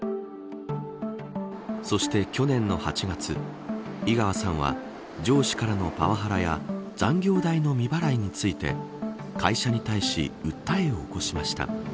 そして、去年の８月井川さんは上司からのパワハラや残業代の未払いについて会社に対し訴えを起こしました。